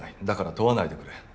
だから問わないでくれ。